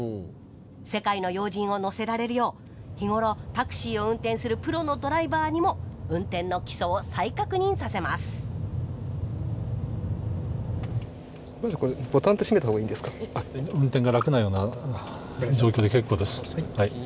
世界の要人を乗せられるよう日頃タクシーを運転するプロのドライバーにも運転の基礎を再確認させます中でもこのブレーキングなんですさあ山根さん